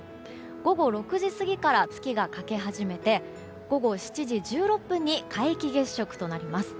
午後６時過ぎから月が欠け始めて午後７時１６分に皆既月食となります。